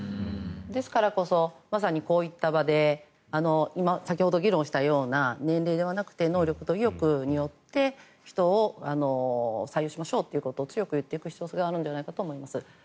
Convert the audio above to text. ですから、まさにこういった場で先ほど議論したような年齢ではなくて能力と意欲によって人を採用しましょうということを強く言っていく必要性があるんじゃないかと思います。